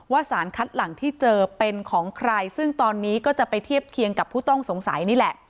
สารคัดหลังที่เจอเป็นของใครซึ่งตอนนี้ก็จะไปเทียบเคียงกับผู้ต้องสงสัยนี่แหละ